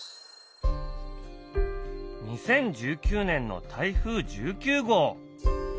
２０１９年の台風１９号。